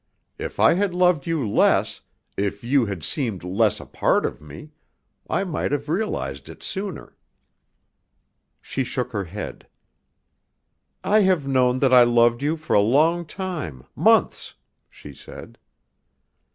If I had loved you less, if you had seemed less a part of me, I might have realized it sooner." She shook her head. "I have known that I loved you for a long time, months," she said.